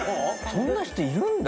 そんな人いるんだ？